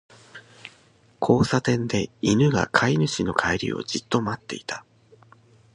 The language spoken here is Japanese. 交差点で、犬が飼い主の帰りをじっと待っていた。